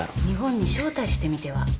日本に招待してみては？